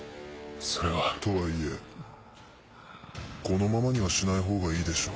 それは。とはいえこのままにはしない方がいいでしょう。